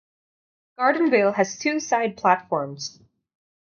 Gardenvale has two side platforms.